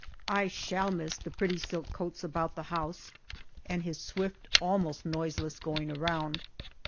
I shall miss the pretty silk coats about the house, and his swift, almost noiseless going around.